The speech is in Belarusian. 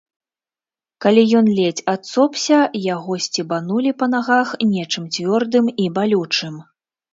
Калі ён ледзь адсопся, яго сцебанулі па нагах нечым цвёрдым і балючым.